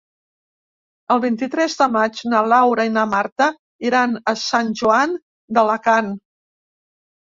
El vint-i-tres de maig na Laura i na Marta iran a Sant Joan d'Alacant.